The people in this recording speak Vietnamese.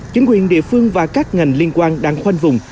chính quyền địa phương và các ngành liên quan đang khoanh vùng